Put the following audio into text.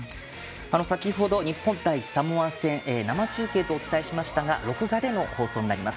先ほど、日本対サモア戦生中継とお伝えしましたが録画での放送となります。